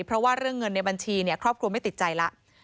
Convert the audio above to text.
เพราะว่าเรื่องเงินในบัญชีครอบครัวไม่ติดใจแล้ว